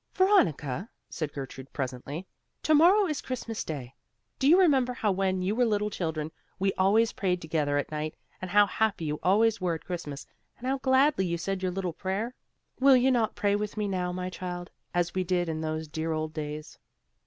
"Veronica," said Gertrude presently, "to morrow is Christmas day. Do you remember how when you were little children we always prayed together at night, and how happy you always were at Christmas, and how gladly you said your little prayer? Will you not pray with me now, my child, as we did in those dear old days?"